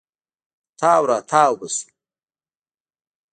تاو راتاو به سو.